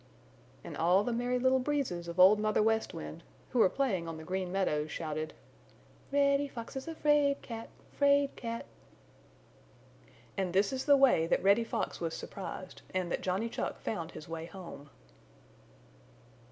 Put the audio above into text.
And all the Merry Little Breezes of Old Mother West Wind, who were playing on the Green Meadows shouted: "Reddy Fox is a 'fraid cat, 'fraid cat!" And this is the way that Reddy Fox was surprised and that Johnny Chuck found his way home.